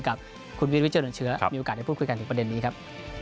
กับคุณวิทย์วิจัยหน่อยเชื้อครับมีโอกาสได้พูดคุยกันถึงประเด็นนี้ครับ